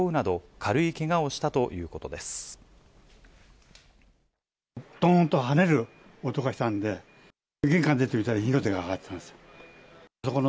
どーんとはねる音がしたんで、玄関出てみたら、火の手が上がってました。